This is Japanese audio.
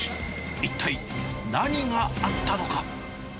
一体、何があったのか。